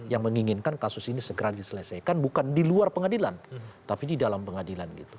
yang menginginkan kasus ini segera diselesaikan bukan di luar pengadilan tapi di dalam pengadilan gitu